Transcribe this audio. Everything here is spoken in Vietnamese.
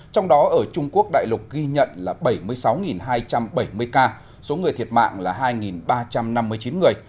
trong đó ở trung quốc đại lục ghi nhận là bảy mươi sáu hai trăm bảy mươi ca số người thiệt mạng là hai ba trăm năm mươi chín người